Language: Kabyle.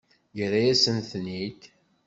Yerra-yasent-ten-id?